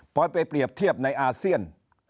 พอไปเปรียบเทียบในอาเซียน